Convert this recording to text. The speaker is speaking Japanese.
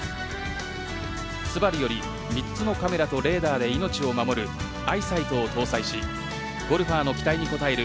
ＳＵＢＡＲＵより３つのカメラとレーダーで命を守るアイサイトを搭載しゴルファーの期待に応える